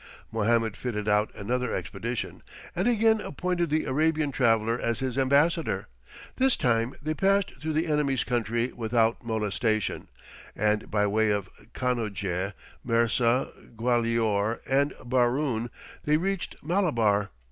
Mohammed fitted out another expedition, and again appointed the Arabian traveller as his ambassador. This time they passed through the enemy's country without molestation, and by way of Kanoje, Mersa, Gwalior, and Barun, they reached Malabar.